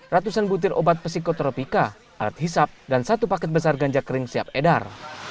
ratusan butir obat psikotropika alat hisap dan satu paket besar ganja kering siap edar